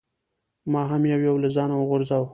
ما هم یو یو له ځانه غورځاوه.